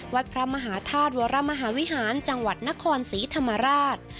วัดพระมหาธาตุวรมหาวิหารจังหวัดนครศรีธรรมราช